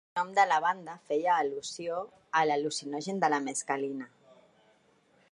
El nom de la banda feia al·lusió a l'al·lucinogen de la mescalina.